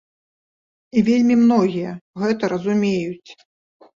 І вельмі многія гэта разумеюць.